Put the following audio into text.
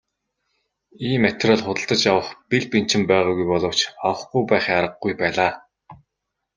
Ийм материал худалдаж авах бэл бэнчин байгаагүй боловч авахгүй байхын аргагүй байлаа.